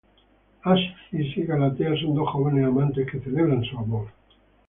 Acis y Galatea son dos jóvenes amantes que celebran su amor.